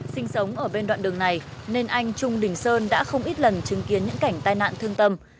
sinh sống ở bên đoạn đường này nên anh trung đình sơn đã không ít lần chứng kiến những cảnh tai nạn thương tâm